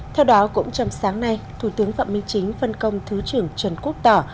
theo đó cũng trong sáng nay thủ tướng phạm minh chính phân công thứ trưởng trần quốc tỏ